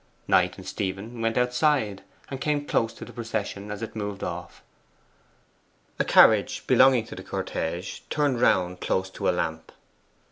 Knight and Stephen went outside, and came close to the procession as it moved off. A carriage belonging to the cortege turned round close to a lamp.